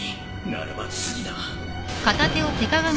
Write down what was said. ならば次だ。